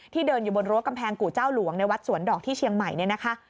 เดินอยู่บนรั้วกำแพงกู่เจ้าหลวงในวัดสวนดอกที่เชียงใหม่เนี่ยนะคะ